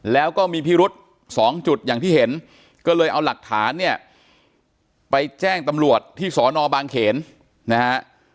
แล้วก็มีพิรุษ๒จุดอย่างที่เห็นก็เลยเอาหลักฐานเนี่ยไปแจ้งตำรวจที่สอนอบางเขนนะฮะ